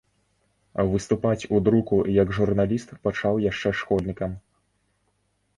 Выступаць у друку як журналіст пачаў яшчэ школьнікам.